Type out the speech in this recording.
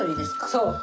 そう。